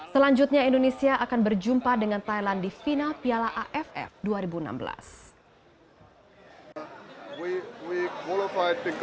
selanjutnya indonesia akan berjumpa dengan thailand di final piala aff dua ribu enam belas